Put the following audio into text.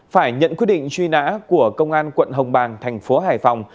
phải nhận quyết định truy nã của công an quận hồng bàng thành phố hải phòng